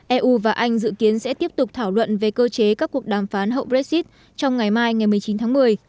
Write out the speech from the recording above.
eu và anh dự kiến sẽ tiếp tục thảo luận về cơ chế các cuộc đàm phán hậu brexit trong ngày mai ngày một mươi chín tháng một mươi